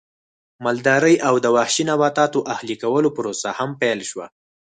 مالدارۍ او د وحشي نباتاتو اهلي کولو پروسه هم پیل شوه